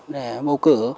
để bầu cử